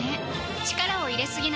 力を入れすぎない